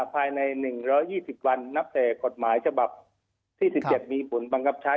ภายใน๑๒๐วันนับแต่กฎหมายฉบับที่๑๗มีผลบังคับใช้